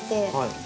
はい。